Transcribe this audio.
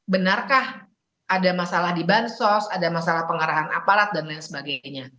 benarkah ada masalah di bansos ada masalah pengarahan aparat dan lain sebagainya